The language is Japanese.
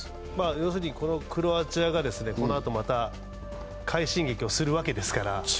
要するにこのクロアチアがこのあと、快進撃をするわけで。